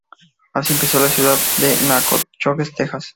Así empezó la ciudad de Nacogdoches, Texas.